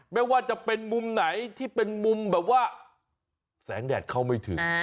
ไม่ว่าจะเป็นมุมไหนที่เป็นมุมแบบว่าแสงแดดเข้าไม่ถึง